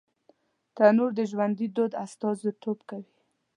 تنور د ژوندي دود استازیتوب کوي